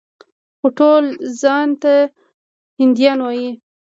خو ټول ځان ته هندیان وايي.